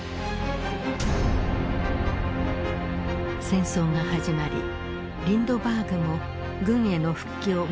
戦争が始まりリンドバーグも軍への復帰を申し出た。